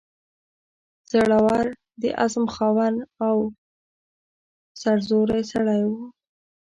زړه ور، د عزم خاوند او سرزوری سړی وو.